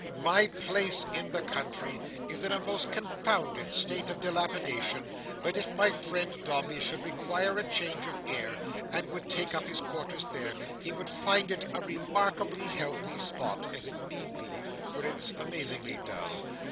My place in the country is in a most confounded state of dilapidation, but if my friend Dombey should require a change of air, and would take up his quarters there, he would find it a remarkably healthy spot—as it need be, for it's amazingly dull.